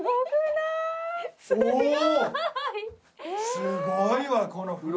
すごいわこの風呂。